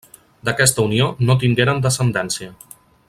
D'aquesta unió no tingueren descendència.